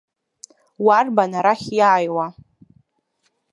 Уарбан арахь иааиуа?